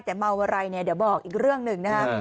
แต่เมาอะไรเนี่ยเดี๋ยวบอกอีกเรื่องหนึ่งนะครับ